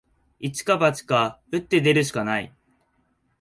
一か八か、打って出るしかない